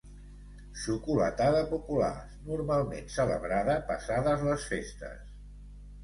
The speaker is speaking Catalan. Xocolatada popular, normalment celebrada passades les festes.